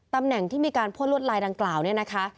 ตำแหน่งที่มีการพ่นลวดลายดังกล่าวเนี่ยนะคะ